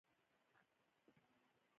افغانستان د اوږده غرونه له امله شهرت لري.